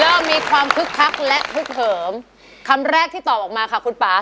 เริ่มมีความคึกคักและฮึกเหิมคำแรกที่ตอบออกมาค่ะคุณป่า